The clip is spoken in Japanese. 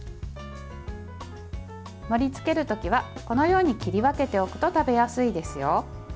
盛りつける時は、このように切り分けておくと食べやすいですよ。